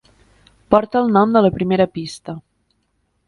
Porta el nom de la primera pista.